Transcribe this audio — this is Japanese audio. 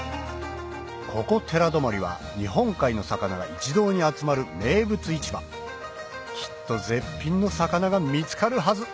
ここ寺泊は日本海の魚が一堂に集まる名物市場きっと絶品の魚が見つかるはず！